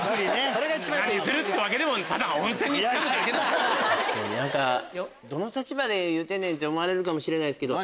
どの立場で言うてんねん！って思われるかもしれないですけど。